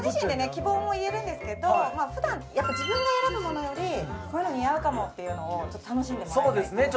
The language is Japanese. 希望も言えるんですけどふだんやっぱ自分が選ぶものよりこういうの似合うかもっていうのを楽しんでもらいたいそうですね